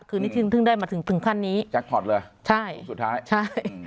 คืนนี้ถึงเพิ่งได้มาถึงถึงขั้นนี้แจ็คพอร์ตเลยใช่สุดท้ายใช่